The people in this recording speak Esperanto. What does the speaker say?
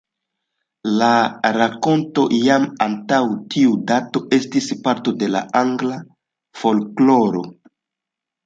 La rakonto, jam antaŭ tiu dato, estis parto de la angla folkloro.